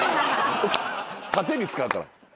盾に使うから。